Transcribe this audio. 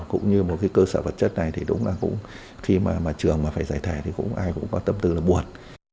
cũng như một cái cơ sở vật chất này thì đúng là cũng khi mà trường mà phải giải thể thì cũng ai cũng có tâm tư là buồn